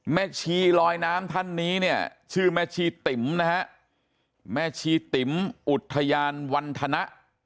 ชีลอยน้ำท่านนี้เนี่ยชื่อแม่ชีติ๋มนะฮะแม่ชีติ๋มอุทยานวันธนะ